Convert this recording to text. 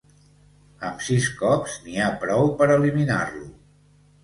Amb sis cops n'hi ha prou per eliminar-lo.